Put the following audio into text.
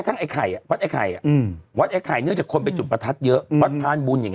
เนื่องจากคนไปจุดประทัดเยอะ